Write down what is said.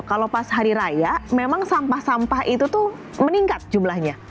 kalau pas hari raya memang sampah sampah itu tuh meningkat jumlahnya